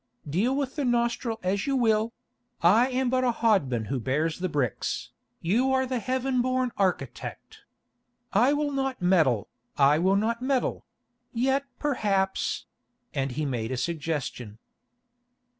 Deal with the nostril as you will; I am but a hodman who bears the bricks, you are the heaven born architect. I will not meddle, I will not meddle; yet perhaps——" and he made a suggestion.